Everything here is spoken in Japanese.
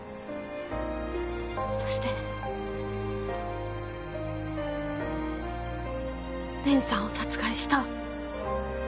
そして蓮さんを殺害した。